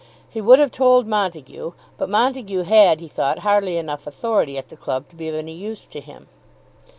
He would have told Montague, but Montague had, he thought, hardly enough authority at the club to be of any use to him.